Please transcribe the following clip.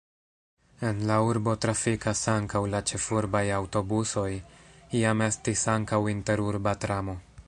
En la urbo trafikas ankaŭ la ĉefurbaj aŭtobusoj, iam estis ankaŭ interurba tramo.